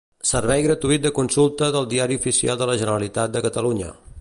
Servei gratuït de consulta del Diari Oficial de la Generalitat de Catalunya.